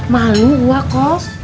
malu wak kos